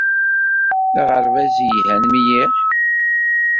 D aɣerbaz yelhan mliḥ.